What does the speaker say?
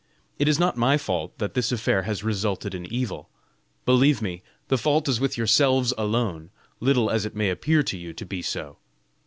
It is not my fault that this affair has resulted in evil; believe me, the fault is with yourselves alone, little as it may appear to you to be so.